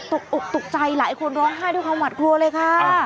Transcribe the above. ตกอกตกใจหลายคนร้องไห้ด้วยความหวัดกลัวเลยค่ะ